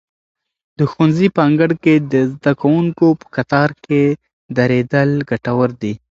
د ښوونځي په انګړ کې د زده کوونکو په کتار کې درېدل ګټور دي.